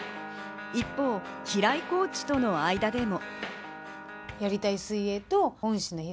一方、平井コーチとの間でも。